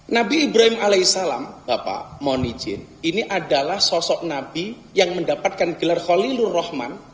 nabi ibrahim ini adalah sosok nabi yang mendapatkan gelar khalilur rahman